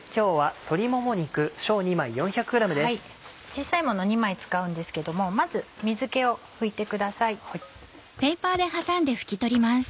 小さいもの２枚使うんですけどもまず水気を拭いてください。